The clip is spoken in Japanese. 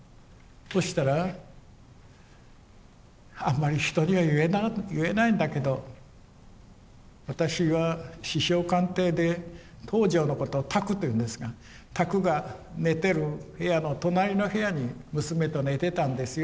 そしたらあんまり人には言えないんだけど私は首相官邸で東條のことを宅と言うんですが宅が寝てる部屋の隣の部屋に娘と寝てたんですよと。